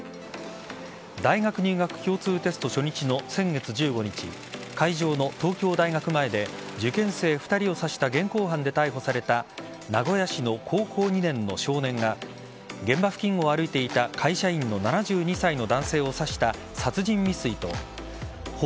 大学入学共通テスト初日の先月１５日会場の東京大学前で受験生２人を刺した現行犯で逮捕された名古屋市の高校２年の少年が現場付近を歩いていた会社員の７２歳の男性を刺した